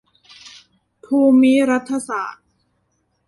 ภูมิรัฐศาสตร์